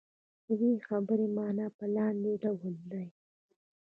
د دې خبرې معنا په لاندې ډول ده.